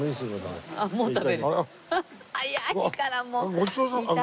早いからもう。